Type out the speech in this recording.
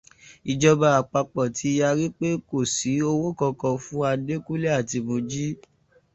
Ìjọba àpapọ̀ ti yarí pé kò sí owó kankan fún Adékúnlé àti Mojí